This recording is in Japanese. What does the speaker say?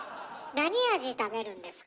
何味食べるんですか？